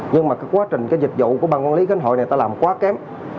nhưng mà quá trình dịch vụ của ban quản lý cánh hội này ta làm quá kém